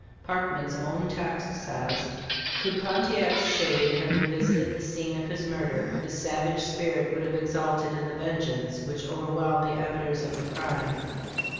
Parkman's own text says : "Could Pontiac's shade have revisited the scene of his murder, his savage spirit would have exulted in the vengeance which overwhelmed the abettors of the crime.